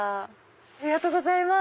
ありがとうございます。